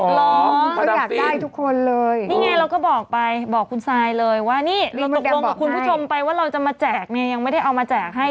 รอมาได้ทุกคนเลยผ้าดำปินนี่ไงเราก็บอกไป